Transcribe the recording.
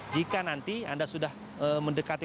jika nanti anda sudah mendekati